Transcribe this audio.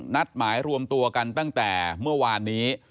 นัดหมายรวมตัวกันตั้งแต่เมื่อวานนี้